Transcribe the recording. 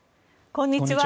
こんにちは。